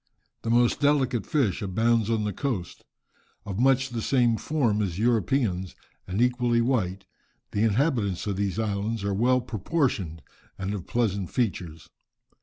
The most delicate fish abounds on the coast. Of much the same form as Europeans, and equally white, the inhabitants of these islands are well proportioned and of pleasant features.